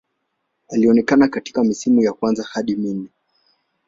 Alionekana katika misimu ya kwanza hadi minne.